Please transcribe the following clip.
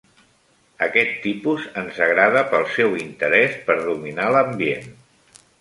Aquest tipus ens agrada pel seu interès per dominar l'ambient.